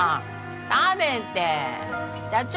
食べて社長